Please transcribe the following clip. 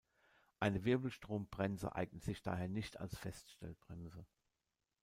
Eine Wirbelstrombremse eignet sich daher nicht als Feststellbremse.